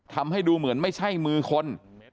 ทำให้ดูเหมือนไม่ใช่มือคน